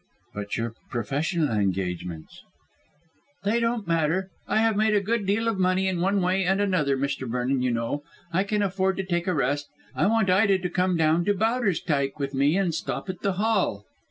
"But your professional engagements?" "They don't matter. I have made a good deal of money in one way and another, Mr. Vernon, you know. I can afford to take a rest. I want Ida to come down to Bowderstyke with me and stop at the Hall."